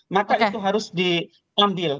maka itu harus diambil